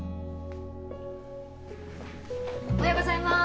おはようございます。